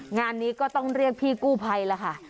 งานนี้ก็ต้องเรียกพี่กู้ภัยแล้วค่ะ